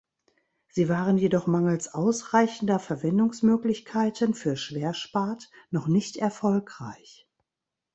Sie waren jedoch mangels ausreichender Verwendungsmöglichkeiten für Schwerspat noch nicht erfolgreich.